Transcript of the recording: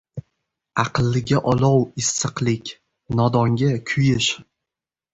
• Aqlliga olov — issiqlik, nodonga — kuyish.